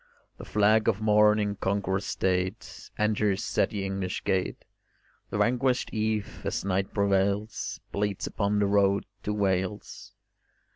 The flag of morn in conqueror's state Enters at the English gate: The vanquished eve, as night prevails, Bleeds upon the road to Wales.